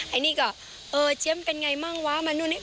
ไอ้นี่ก็เออเจ๊มเป็นยังไงมั่งวะมันนู่นนี่